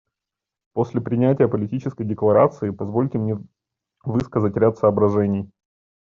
После принятия Политической декларации позвольте мне высказать ряд соображений.